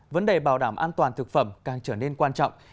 vấn đề bảo đảm an toàn thực phẩm càng trở nên quan trọng